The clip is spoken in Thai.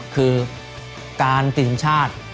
คือการทีมชาติ